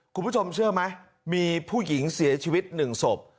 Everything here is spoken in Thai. คุณผู้ชมเชื่อไหมมีผู้หญิงเสียชีวิตหนึ่งศพ